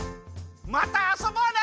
またあそぼうね！